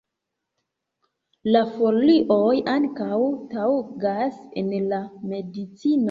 La folioj ankaŭ taŭgas en la medicino.